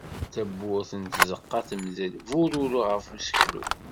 Tawwurt n tzeqqa temdel, bururu ɣef useklu.